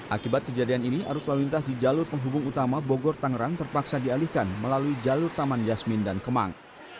akibat kejadian ini arus lalu lintas di jalur penghubung utama bogor tangerang terpaksa dialihkan melalui jalur taman yasmin dan kemang